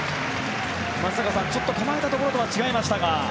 松坂さん、ちょっと構えたところとは違いましたが。